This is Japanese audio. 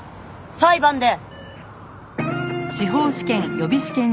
裁判で！